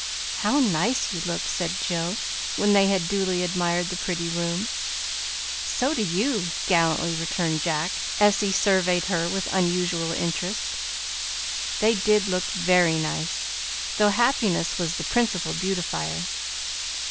"How nice you look," said Jill, when they had duly admired the pretty room. "So do you," gallantly returned Jack, as he surveyed her with unusual interest. They did look very nice, though happiness was the principal beautifier.